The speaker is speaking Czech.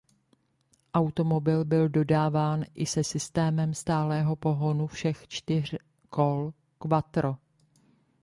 Automobil byl dodáván i se systémem stálého pohonu všech čtyř kol quattro.